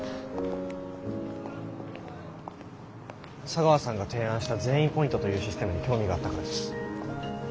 茶川さんが提案した「善意ポイント」というシステムに興味があったからです。